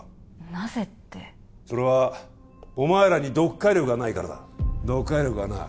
なぜってそれはお前らに読解力がないからだ読解力はな